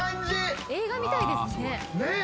映画みたいですね。